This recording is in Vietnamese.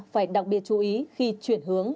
phải đặc biệt chú ý khi chuyển hướng